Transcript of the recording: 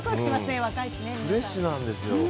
フレッシュなんですよ。